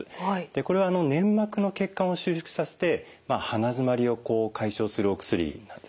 これは粘膜の血管を収縮させて鼻づまりを解消するお薬なんですね。